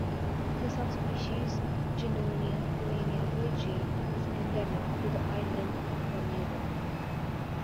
The subspecies "Junonia coenia bergi" is endemic to the island of Bermuda.